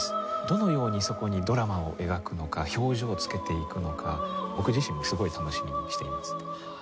どのようにそこにドラマを描くのか表情をつけていくのか僕自身もすごい楽しみにしています。